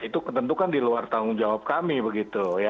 itu tentukan diluar tanggung jawab kami begitu ya